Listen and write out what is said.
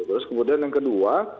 terus kemudian yang kedua